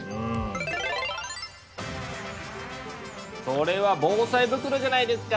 それは防災袋じゃないですか！